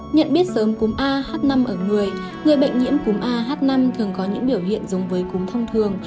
nhận biết sớm cúm a h năm ở người người bệnh nhiễm cúm a h năm thường có những biểu hiện giống với cúm thông thường